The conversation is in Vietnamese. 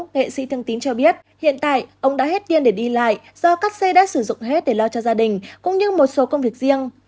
nghệ sĩ thương tín cho biết hiện tại ông đã hết tiền để đi lại do các xe đã sử dụng hết để lo cho gia đình cũng như một số công việc riêng